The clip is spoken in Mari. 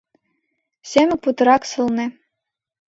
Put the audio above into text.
Семык путырак сылне...